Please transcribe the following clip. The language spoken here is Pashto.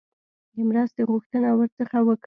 د مرستې غوښتنه ورڅخه وکړي.